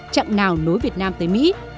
chẳng nào nối việt nam tới mỹ